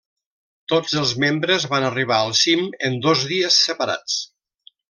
Tots els membres van arribar al cim, en dos dies separats.